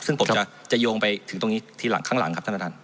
ซึ่งผมจะโยงไปถึงตรงนี้ทีหลังข้างหลังครับท่านประธาน